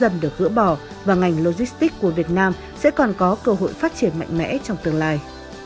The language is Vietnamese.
nỗ bỏ và ngành logistic của việt nam sẽ còn có cơ hội phát triển mạnh mẽ trong tương lai